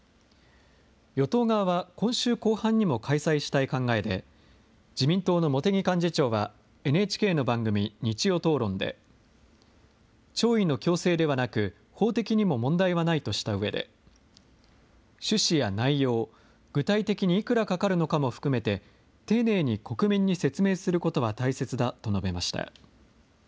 与党側は今週後半にも開催したい考えで、自民党の茂木幹事長はＮＨＫの番組、日曜討論で、弔意の強制ではなく、法的にも問題はないとしたうえで、趣旨や内容、具体的にいくらかかるのかも含めて、丁寧に国民に説明することは大切だと述べました。